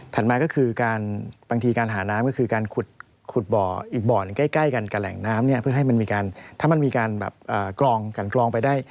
มาก็คือการบางทีการหาน้ำก็คือการขุดบ่ออีกบ่อหนึ่งใกล้กันกับแหล่งน้ำเนี่ยเพื่อให้มันมีการถ้ามันมีการแบบกรองกันกรองไปได้